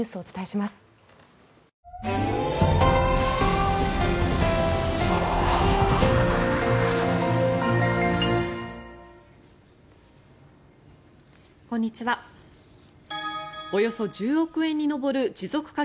およそ１０億円に上る持続化